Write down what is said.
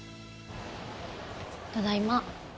ただいま。